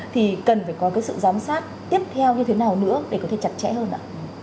thì cần phải có cái sự giám sát tiếp theo như thế nào nữa để có thể chặt chẽ hơn ạ